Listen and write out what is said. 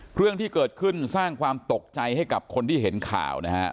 เรื่องที่เกิดขึ้นสร้างความตกใจให้กับคนที่เห็นข่าวนะฮะ